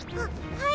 はい？